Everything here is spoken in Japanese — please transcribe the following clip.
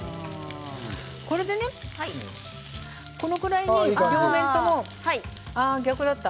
これでね、このぐらいに両面とも逆だった。